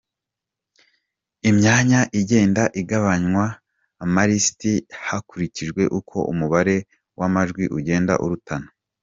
Imyanya igenda igabanywa amalisiti hakurikijwe uko umubare w’amajwi ugenda urutana